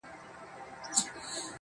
زړه مي ورېږدېدی.